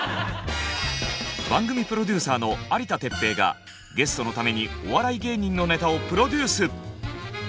番組プロデューサーの有田哲平がゲストのためにお笑い芸人のネタをプロデュース。